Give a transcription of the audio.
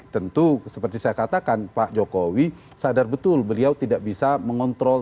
tentu seperti saya katakan pak jokowi sadar betul beliau tidak bisa mengontrol